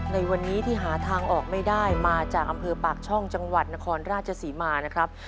ในวันนี้ที่หาทางออกไม่ได้มาจากอำเภอปากช่องจังหวัดนครราชศรีมานะครับ